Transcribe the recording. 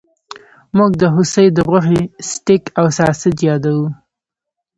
موږ د هوسۍ د غوښې سټیک او ساسج یادوو